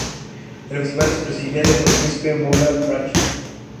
El festival es presidido por el príncipe Moulay Rachid.